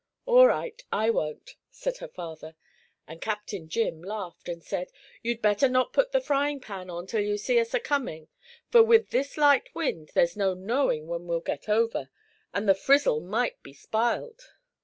"All right I won't," said her father; and Captain Jim laughed and said: "You'd better not put the frying pan on till you see us a coming, for with this light wind there's no knowing when we'll get over, and the frizzle might be sp'iled."